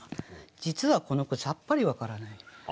実はこの句さっぱり分からない。